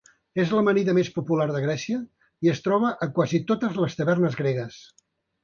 És l'amanida més popular de Grècia i es troba a quasi totes les tavernes gregues.